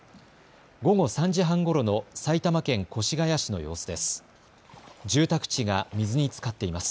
午後３時半ごろの埼玉県越谷市の様子です。